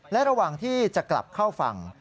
และระหว่างที่จะกลับเข้าฝั่ง